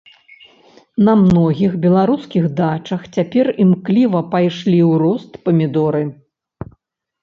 На многіх беларускіх дачах цяпер імкліва пайшлі ў рост памідоры.